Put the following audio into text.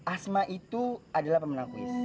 asma itu adalah pemenang kuis